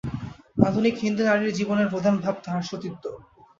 আধুনিক হিন্দু নারীর জীবনের প্রধান ভাব তাহার সতীত্ব।